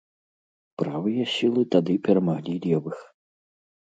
Правыя сілы тады перамаглі левых.